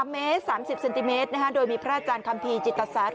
เมตร๓๐เซนติเมตรโดยมีพระอาจารย์คัมภีร์จิตศาสต